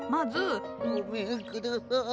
・ごめんください。